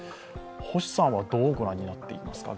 星さんは現状をどうご覧になっていますか。